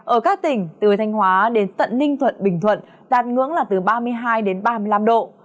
ở các tỉnh từ thanh hóa đến tận ninh thuận bình thuận đạt ngưỡng là từ ba mươi hai đến ba mươi năm độ